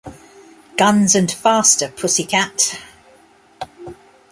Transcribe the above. Guns and Faster Pussycat.